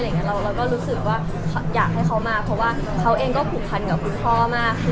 เราก็รู้สึกว่าอยากให้เขามาเพราะว่าเขาเองก็ผูกพันกับคุณพ่อมาก